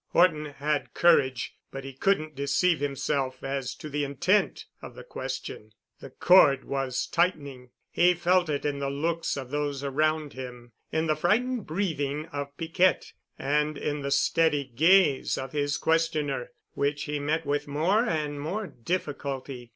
Horton had courage but he couldn't deceive himself as to the intent of the question. The cord was tightening. He felt it in the looks of those around him, in the frightened breathing of Piquette and in the steady gaze of his questioner, which he met with more and more difficulty.